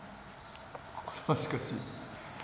しかし。